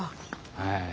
はい。